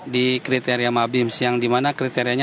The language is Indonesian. di kriteria mabims yang dimana kriterianya